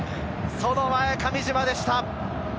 その前、上島でした。